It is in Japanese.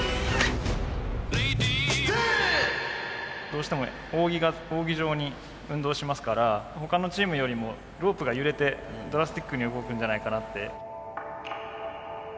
どうしても扇状に運動しますから他のチームよりもロープが揺れてドラスチックに動くんじゃないかなって。